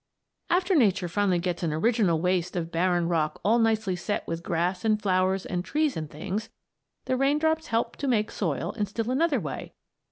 After Nature finally gets an original waste of barren rock all nicely set with grass and flowers and trees and things, the raindrops help to make soil in still another way.